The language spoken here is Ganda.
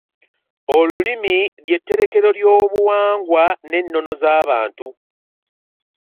Olulimi ly'etterekero ly'obuwangwa n'ennono z'abantu.